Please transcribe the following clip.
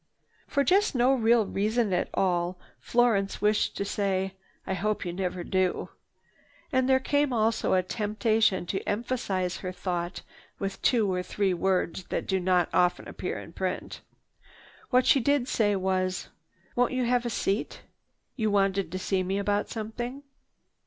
For just no real reason at all Florence wished to say, "I hope you never do," and there came also a temptation to emphasize her thought with two or three words that do not often appear in print. What she did say was, "Won't you have a seat? You wanted to see me about something?"